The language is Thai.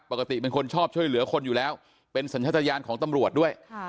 ปกติเป็นคนชอบช่วยเหลือคนอยู่แล้วเป็นสัญชาติยานของตำรวจด้วย